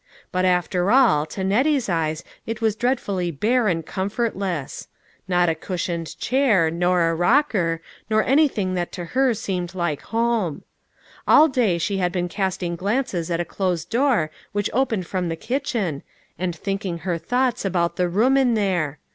But after all, to ^Nettie's eyes it was dreadfully bare and comfortless. Not a cushioned chair, nor a rocker, nor anything that 94 LITTLE FISHERS: AND THEIR NETS. to her seemed like home. All day she had been casting glances at a closed door which opened from the kitchen, and thinking her thoughts about the room in there.